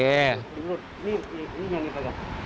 di sini ini yang dipegang